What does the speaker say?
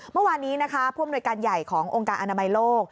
เมื่อวานนี้นะคะผู้อำนวยการใหญ่ขององค์การอนามัยโลก